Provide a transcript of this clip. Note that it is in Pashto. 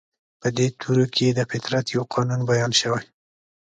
په دې تورو کې د فطرت يو قانون بيان شوی.